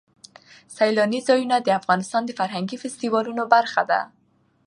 سیلانی ځایونه د افغانستان د فرهنګي فستیوالونو برخه ده.